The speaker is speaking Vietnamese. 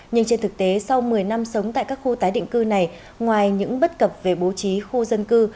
nhưng trên thực tế sau một mươi năm sống tại các khu tái định cư này ngoài những bất cập về bố trí khu dân cư